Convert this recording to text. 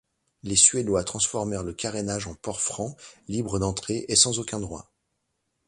Les Suédois transformèrent le carénage en port franc, libre d'entrée et sans aucun droit.